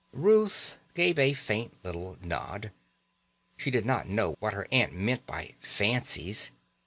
Ruth gave a faint little nod. She did not know what her aunt meant by "fancies".